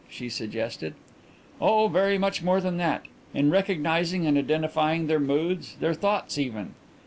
she suggested. "Oh, very much more than that. In recognizing and identifying their moods their thoughts even.